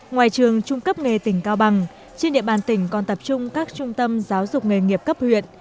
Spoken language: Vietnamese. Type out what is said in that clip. ngoài trường trung cấp nghề tỉnh cao bằng trên địa bàn tỉnh còn tập trung các trung tâm giáo dục nghề nghiệp cấp huyện